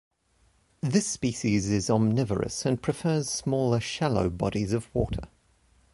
This species is omnivorous and prefers smaller shallow bodies of water.